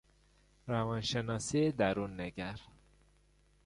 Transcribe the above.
روانشناسی دروننگر